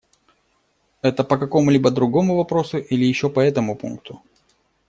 Это по какому-либо другому вопросу или еще по этому пункту?